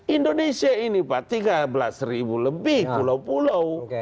indonesia ini pak tiga belas ribu lebih pulau pulau